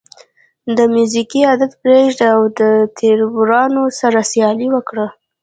د موزیګي عادت پرېږده او تربورانو سره سیالي وکړه.